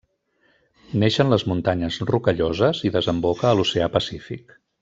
Neix en les Muntanyes Rocalloses i desemboca a l'Oceà Pacífic.